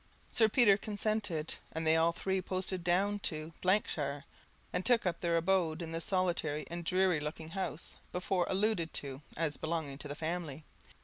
Sir Peter consented, and they all three posted down to shire, and took up their abode in the solitary and dreary looking house before alluded to as belonging to the family.